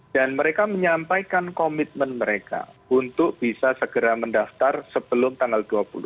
dan mereka menyampaikan komitmen mereka untuk bisa segera mendaftar sebelum tanggal dua puluh